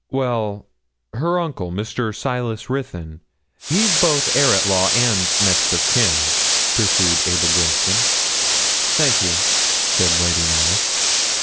'Well, her uncle, Mr. Silas Ruthyn. He's both heir at law and next of kin,' pursued Abel Grimston. 'Thank you,' said Lady Knollys.